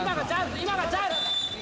今がチャンス。